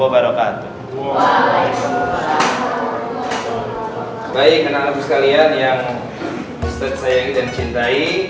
baik kenang kenang kalian yang ustadz sayangi dan cintai